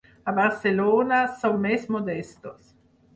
A Barcelona som més modestos.